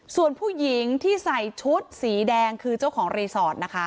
ส่วนผู้หญิงที่ใส่ชุดสีแดงคือเจ้าของรีสอร์ทนะคะ